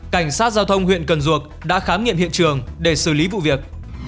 cảnh sát giao thông huyện cần duộc đã khám nghiệm hiện trường để xử lý vụ việc